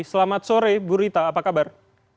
selamat sore bu rita apa kabar